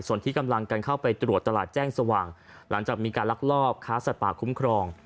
ส่วนที่กำลังกันเข้าไปตรวจตลาดแจ้งสว่างหลังจากมีการลักลอบค้าสัตว์ป่าคุ้มครอง